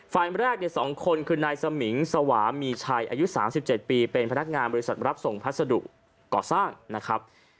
ฝ่ายแรก๒คนคือนายสมิงสวามีชัยอายุ๓๗ปีเป็นพนักงานบริษัทรับส่งพัสดุก่อสร้างนะครับ